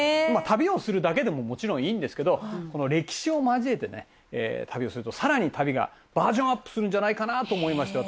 旅をするだけでももちろんいいんですけどこの歴史を交えてね旅をするとさらに旅がバージョンアップするんじゃないかなと思いまして